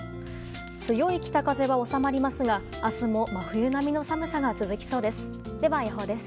強い北風は収まりますが明日も真冬並みの寒さが続きそうです。